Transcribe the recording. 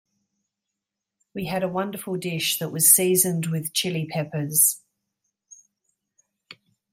We had a wonderful dish that was seasoned with Chili Peppers.